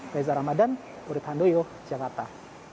gai zahramadan urit handoyo jakarta